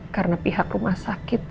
karena pihak rumah sakit